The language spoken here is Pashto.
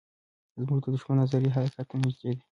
زموږ د دښمن نظریې حقیقت ته نږدې دي.